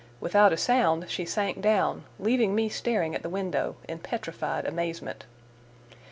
Without a sound she sank down, leaving me staring at the window in petrified amazement.